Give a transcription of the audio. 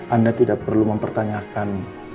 anda tidak perlu mempertanyakan